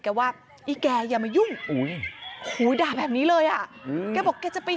ว่าอีแกอย่ามายุ่งด่าแบบนี้เลยอ่ะแกบอกแกจะไป